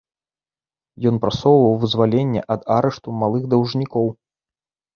Ён прасоўваў вызваленне ад арышту малых даўжнікоў.